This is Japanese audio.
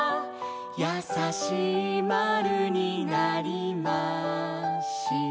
「やさしい○になりました」